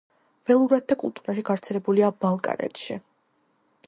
ველურად და კულტურაში გავრცელებულია ბალკანეთში.